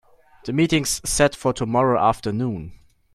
The meeting's set for tomorrow afternoon.